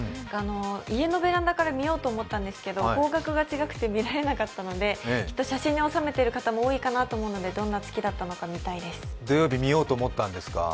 家のベランダから見ようと思ったんですけども、方角が違くて見られなかったので、きっと写真に収めている方も多かったと思いますのでどんな月だったのか見たいです。